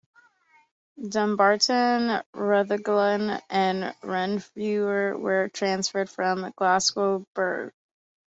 Dumbarton, Rutherglen and Renfrew were transferred from Glasgow Burghs.